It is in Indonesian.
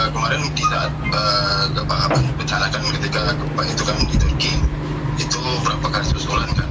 kemarin di saat kemarin dikiraan ketika gempa itu kan itu berapa kasus ulang kan